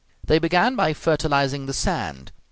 They began by fertilizing the sand.